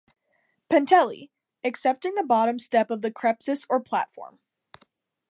Penteli, excepting the bottom step of the krepis or platform.